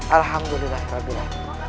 alhamdulillah kak gula